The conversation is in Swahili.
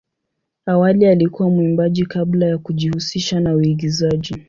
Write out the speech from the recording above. Awali alikuwa mwimbaji kabla ya kujihusisha na uigizaji.